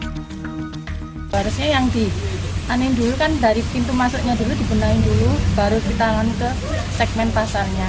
harusnya yang ditanin dulu kan dari pintu masuknya dulu dibenahin dulu baru ditangani ke segmen pasarnya